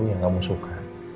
yang kamu suka